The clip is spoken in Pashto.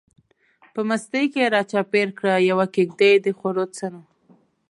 په مستۍ کی را چار پیر کړه، یوه کیږدۍ دخورو څڼو